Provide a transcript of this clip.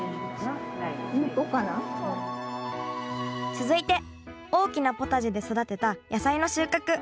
続いて大きなポタジェで育てた野菜の収穫。